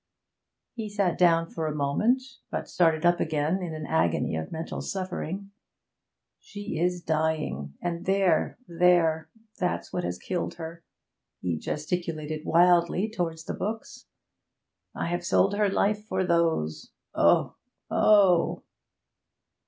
He sat down for a moment, but started up again in an agony of mental suffering. 'She is dying and there, there, that's what has killed her!' He gesticulated wildly towards the books. 'I have sold her life for those. Oh! oh!'